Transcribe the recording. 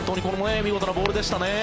見事なボールでしたね。